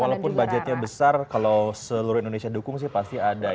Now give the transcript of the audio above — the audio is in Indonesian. walaupun budgetnya besar kalau seluruh indonesia dukung sih pasti ada ya